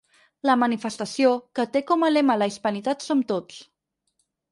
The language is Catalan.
La manifestació, que té com a lema La hispanitat som tots.